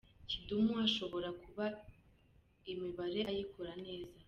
Kidumu ashobora kuba imibare ayikora neza.